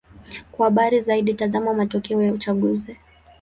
Kwa habari zaidi: tazama matokeo ya uchaguzi.